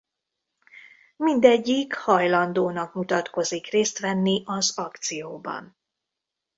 Mindegyik hajlandónak mutatkozik részt venni az akcióban.